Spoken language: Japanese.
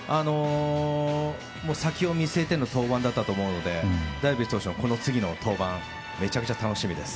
先を見据えての登板だったと思うのでダルビッシュ投手の次の登板めちゃくちゃ楽しみです。